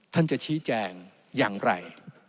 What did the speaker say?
ท่านจะชี้แจงอย่างไร